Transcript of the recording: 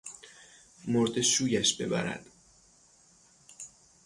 مرده شویش ببرد!